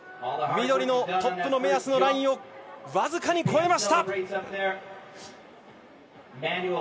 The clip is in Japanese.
緑のトップの目安のラインを僅かに越えました。